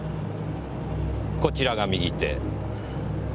こちらが右手。